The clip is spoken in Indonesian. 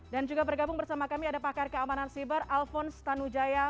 dan juga bergabung bersama kami ada pakar keamanan siber alphonse tanujaya